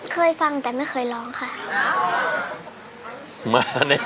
เคยฟังแต่ไม่เคยร้องค่ะ